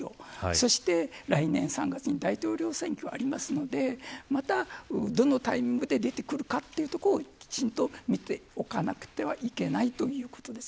そして来年３月に大統領選挙がありますのでまた、どのタイミングで出てくるかというところをきちんと見ておかなくてはいけないということです。